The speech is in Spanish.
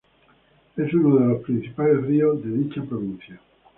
Es uno de los principales ríos de dicha provincia.